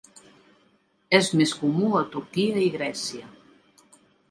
És més comú a Turquia i Grècia.